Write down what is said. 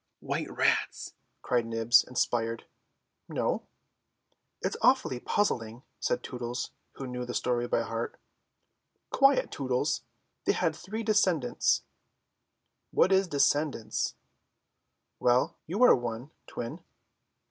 "White rats," cried Nibs, inspired. "No." "It's awfully puzzling," said Tootles, who knew the story by heart. "Quiet, Tootles. They had three descendants." "What is descendants?" "Well, you are one, Twin."